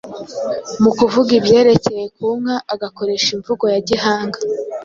Mu kuvuga ibyerekeye ku nka agakoresha imvugo ya gihanga